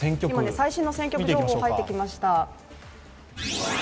最新の選挙区情報入ってきました。